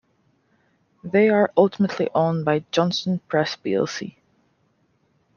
They are ultimately owned by Johnston Press plc.